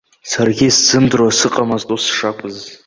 Саргьы исзымдыруа сыҟамызт ус шакәыз.